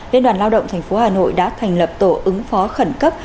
liên đoàn lao động tp hà nội đã thành lập tổ ứng phó khẩn cấp